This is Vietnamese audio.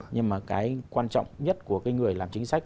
nhưng mà cái quan trọng nhất của cái người làm chính sách